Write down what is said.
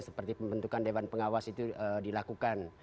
seperti pembentukan dewan pengawas itu dilakukan